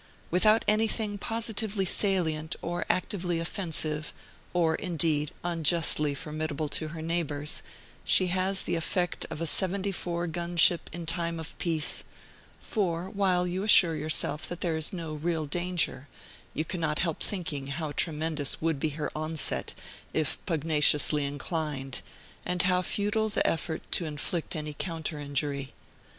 Without anything positively salient, or actively offensive, or, indeed, unjustly formidable to her neighbors, she has the effect of a seventy four gun ship in time of peace; for, while you assure yourself that there is no real danger, you cannot help thinking how tremendous would be her onset, if pugnaciously inclined, and how futile the effort to inflict any counter injury.